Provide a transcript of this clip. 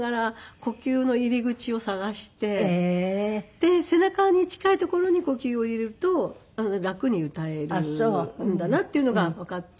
で背中に近い所に呼吸を入れると楽に歌えるんだなっていうのがわかって。